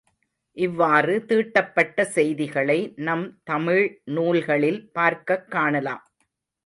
இவ்வாறு தீட்டப்பட்ட செய்திகளை நம் தமிழ் நூல்களில் பார்க்கக் காணலாம்.